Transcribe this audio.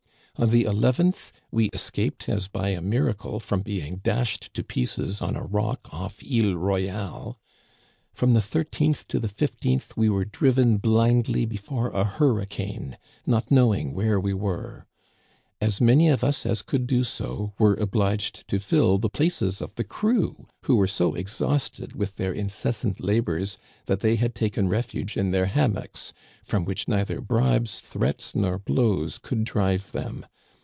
" On the nth we escaped as by a miracle from being dashed to pieces on a rock off Isle Royale. "From the 13th to the 15th we were driven blindly before a hurricane, not knowing where we were. As many of us as could do so were obliged to fill the places of the crew, who were so exhausted with their Digitized by VjOOQIC 2i8 THE CANADIANS OF OLD. incessant labors that they had taken refuge in their hammocks, from which neither bribes, threats, nor blows could drive them.